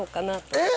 えっ？